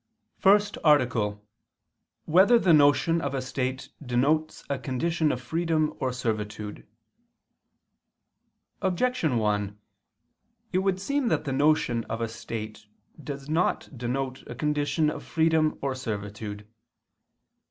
_______________________ FIRST ARTICLE [II II, Q. 183, Art. 1] Whether the Notion of a State Denotes a Condition of Freedom or Servitude? Objection 1: It would seem that the notion of a state does not denote a condition of freedom or servitude.